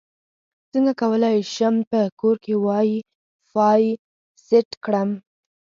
څنګه کولی شم په کور کې وائی فای سیټ کړم